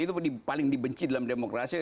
itu paling dibenci dalam demokrasi